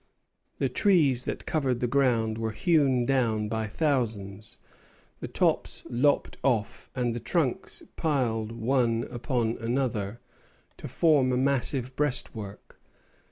The trees that covered the ground were hewn down by thousands, the tops lopped off, and the trunks piled one upon another to form a massive breastwork.